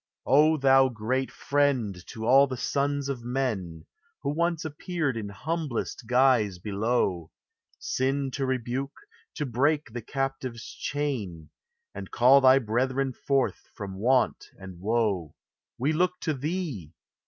O thou great Friend to all the sons of men, Who once appeared in humblest guise below, Sin to rebuke, to break the captive's chain, And call thy brethren forth from want and woe, We look to thee!